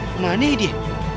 kemana ini dia